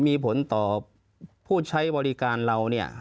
มีผลต่อผู้ใช้บริการเราเนี่ย